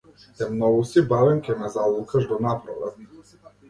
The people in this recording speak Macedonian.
Те многу си бавен, ќе ме залулкаш до напролет!